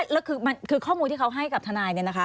แล้วคือข้อมูลที่เขาให้กับทนาย